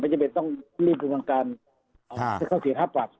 ไม่จำเป็นต้องรีบถึงการเข้าเสียท่าปรับ